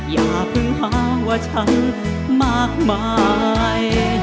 อย่าเพิ่งหาว่าฉันมากมาย